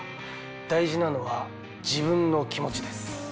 大事なのは自分の気持ちです。